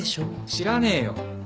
知らねえよ。